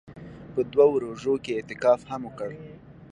په دوو روژو کښې يې اعتکاف هم وکړ.